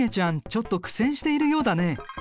ちょっと苦戦しているようだね。